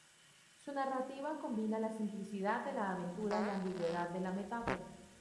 Su narrativa combina la simplicidad de la aventura y la ambigüedad de la metáfora.